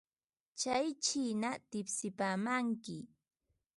Tsay chiina tipsipaamanmi.